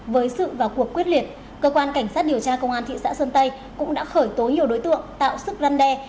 với sự và cuộc quyết liệt cơ quan cảnh sát điều tra công an thị xã sơn tây cũng đã khởi tố nhiều đối tượng tạo sức răn đe